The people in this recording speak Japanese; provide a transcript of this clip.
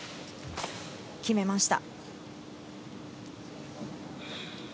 決めました。